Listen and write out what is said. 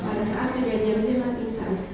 pada saat terjadinya menyerang insan